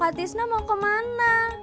pak titi mau ke mana